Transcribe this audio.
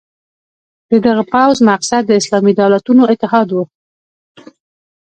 د دغه پوځ مقصد د اسلامي دولتونو اتحاد وو.